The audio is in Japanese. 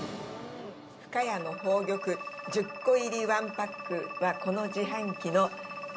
深谷の宝玉１０個入り１パックはこの自販機の第１位ですか？